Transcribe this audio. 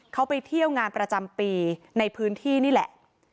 เขาไปเที่ยวงานประจำปีในพื้นที่นี่แหละ